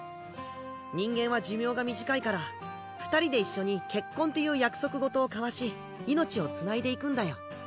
人間は寿命が短いから２人で一緒に結婚っていう約束事を交わし命をつないでいくんだよ。